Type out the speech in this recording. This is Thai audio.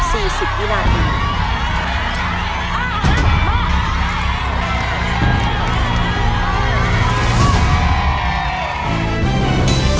หยิบกุญแจเลือกได้เพียงคนละหนึ่งดอก